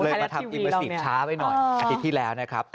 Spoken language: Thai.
มาทำอิมเมอร์ซีฟช้าไปหน่อยอาทิตย์ที่แล้วนะครับ